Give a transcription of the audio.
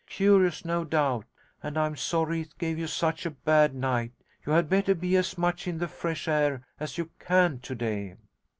Curious, no doubt, and I am sorry it gave you such a bad night. You had better be as much in the fresh air as you can to day.'